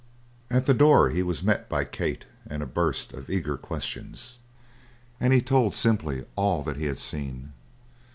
At the door he was met by Kate and a burst of eager questions, and he told, simply, all that he had seen.